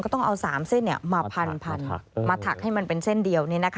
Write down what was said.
ต้องเอาสามเส้นมาพันมันถักให้เดียว